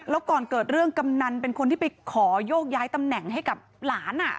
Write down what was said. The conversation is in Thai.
แล้วก่อนเกิดเรื่องกำนันเป็นคนที่ไปขอโยกย้ายตำแหน่งให้กับหลาน